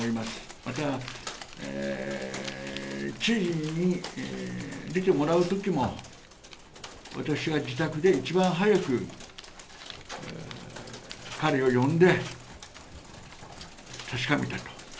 また、知事に出てもらうときにも、私が自宅で一番早く彼を呼んで、確かめたと。